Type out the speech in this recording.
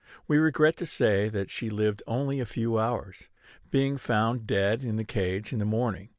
We regret to say that she lived only a few hours, being found dead in the cage in the morning.